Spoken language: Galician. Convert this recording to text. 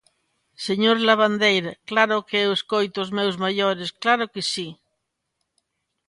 Señor Lavandeira, claro que eu escoito os meus maiores, claro que si.